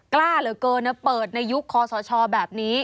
กล้าเหลือเกินนะเปิดในยุคคอสชแบบนี้